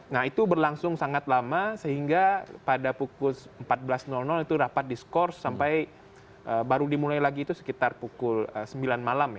nah itu berlangsung sangat lama sehingga pada pukul empat belas itu rapat diskors sampai baru dimulai lagi itu sekitar pukul sembilan malam ya